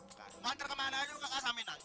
tapi katanya masnya nggak ada